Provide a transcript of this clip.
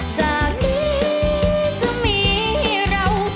จากนี้จะมีเรา